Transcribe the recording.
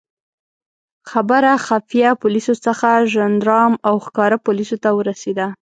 خبره خفیه پولیسو څخه ژندارم او ښکاره پولیسو ته ورسېده.